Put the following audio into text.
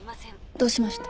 どうしました？